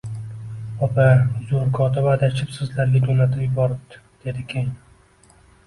Opa, uzr, kotiba adashib sizlarga jo`natib yuboribdi, dedi keyin